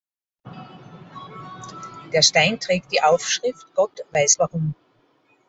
Der Stein trägt die Aufschrift «Gott weiss warum».